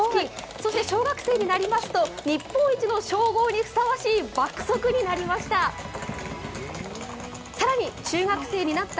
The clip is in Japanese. そして、小学生になりますと日本一の称号にふさわしい爆速になりました。